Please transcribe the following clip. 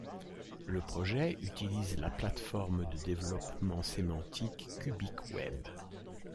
Le projet utilise la plateforme de développement sémantique CubicWeb.